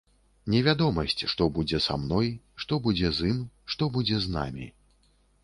Невядомасць, што з будзе са мной, што будзе з ім, што будзе з намі.